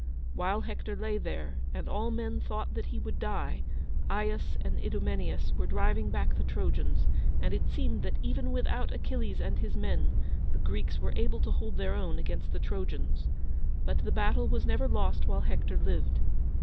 While Hector lay there, and all men thought that he would die, Aias and Idomeneus were driving back the Trojans, and it seemed that, even without Achilles and his men, the Greeks were able to hold their own against the Trojans. But the battle was never lost while Hector lived.